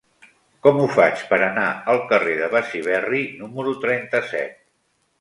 Com ho faig per anar al carrer de Besiberri número trenta-set?